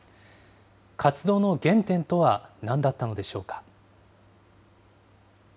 活動の原点とはなんだったのでしょうか。